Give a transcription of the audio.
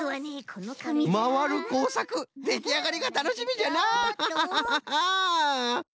まわるこうさくできあがりがたのしみじゃのう！